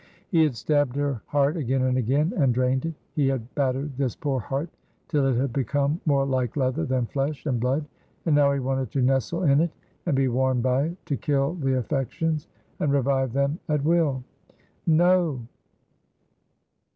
He had stabbed her heart again and again, and drained it. He had battered this poor heart till it had become more like leather than flesh and blood, and now he wanted to nestle in it and be warmed by it. To kill the affections and revive them at will. No!!!!